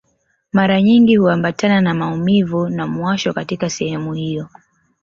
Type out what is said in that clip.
Mara nyingi huambatana na maumivu na muwasho katika sehemu hiyo